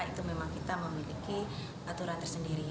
itu memang kita memiliki aturan tersendiri